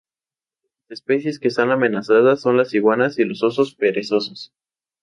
Las especies que están amenazadas son las iguanas y osos perezosos.